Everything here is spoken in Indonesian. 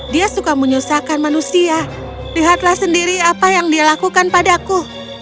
dia suka menyusahkan manusia lihatlah sendiri apa yang dia lakukan padaku